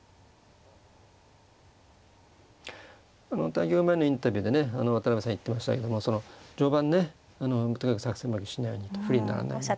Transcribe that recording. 対局前のインタビューでね渡辺さん言ってましたけどもその序盤ねとにかく作戦負けしないようにと不利にならないようにとね。